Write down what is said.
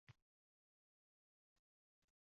Toyota Camry va Honda Accord ortda qolib ketdi.